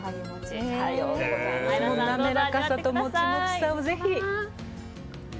滑らかさとモチモチさをぜひ。